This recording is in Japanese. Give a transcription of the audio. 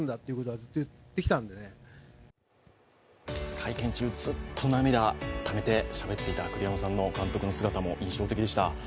会見中、ずっと涙をためてしゃべっていた栗山監督の姿も印象的でした。